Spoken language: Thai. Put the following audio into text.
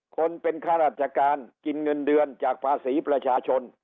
คนเป็นข้าราชการกินเงินเดือนจากภาษีประชาชน